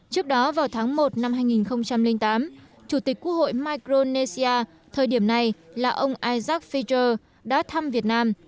trước đó vào tháng một năm hai nghìn tám chủ tịch quốc hội micronesia thời điểm này là ông izak fijer đã thăm việt nam